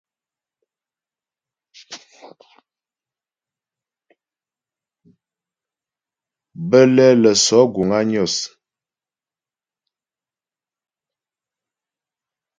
Bə́lɛ lə́ sɔ̌ guŋ á Nyos.